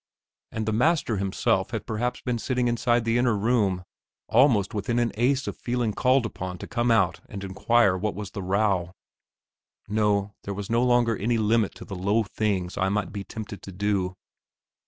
And the master himself had perhaps been sitting inside the inner room, almost within an ace of feeling called upon to come out and inquire what was the row. No, there was no longer any limit to the low things I might be tempted to do.